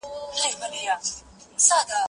زه له سهاره زده کړه کوم!